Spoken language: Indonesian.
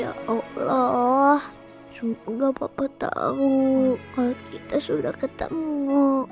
ya allah semoga papa tahu kalau kita sudah ketemu